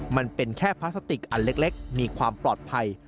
มันเป็นแค่พลาสติกอันเล็กมีความปลอดภัย